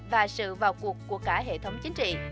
và sự vào cuộc của cả hệ thống chính trị